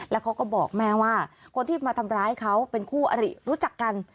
แล้วเขาก็บอกแม่ว่าคนที่มาทำร้ายเขาเป็นคู่อริรู้จักกัน